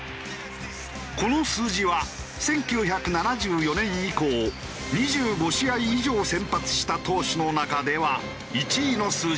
この数字は１９７４年以降２５試合以上先発した投手の中では１位の数字だ。